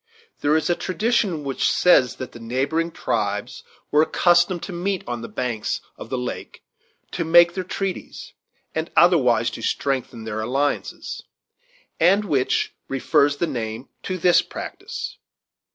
There is a tradition which says that the neighboring tribes were accustomed to meet on the banks of the lake to make their treaties, and otherwise to strengthen their alliances, and which refers the name to this practice.